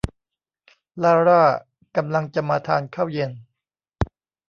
ลาร่ากำลังจะมาทานข้าวเย็น